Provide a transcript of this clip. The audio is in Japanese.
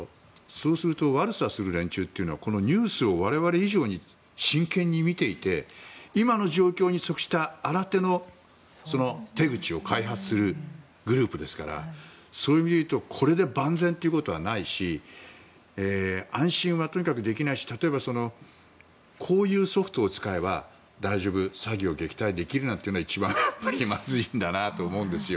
そうすると悪さをする連中というのはこのニュースを我々以上に真剣に見ていて今の状況に即した新手の手口を開発するグループですからそういう意味で言うとこれで万全ということはないし安心はとにかくできないし例えば、こういうソフトを使えば大丈夫詐欺を撃退できるなんてのは一番まずいんだなと思うんですよ。